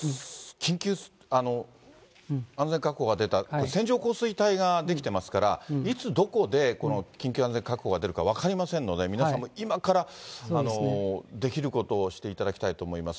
緊急安全確保が出た、線状降水帯が出来てますから、いつどこでこの緊急安全確保が出るか分かりませんので、皆さん、今からできることをしていただきたいと思います。